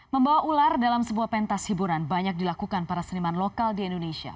membawa ular dalam sebuah pentas hiburan banyak dilakukan para seniman lokal di indonesia